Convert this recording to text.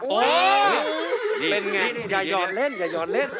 เป็นอย่างไรอย่ายอดเล่นอย่ายอดเล่น